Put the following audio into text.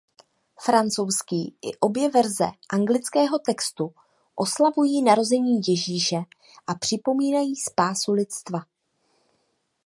Francouzský i obě verze anglického textu oslavují narození Ježíše a připomínají spásu lidstva.